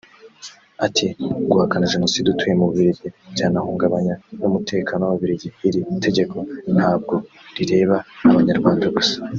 Ati “Guhakana Jenoside utuye mu Bubiligi byanahungabanya n’umutekano w’Ababiligi […] Iri tegeko ntabwo rireba abanyarwanda gusa